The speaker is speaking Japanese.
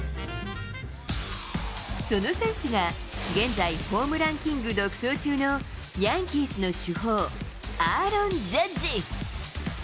その選手が、現在、ホームランキング独走中のヤンキースの主砲、アーロン・ジャッジ。